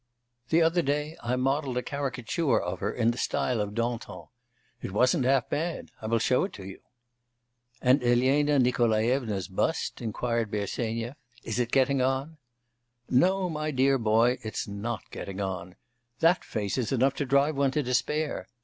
The other day I modelled a caricature of her in the style of Dantan. It wasn't half bad. I will show it you.' 'And Elena Nikolaevna's bust?' inquired Bersenyev, 'is it getting on?' 'No, my dear boy, it's not getting on. That face is enough to drive one to despair.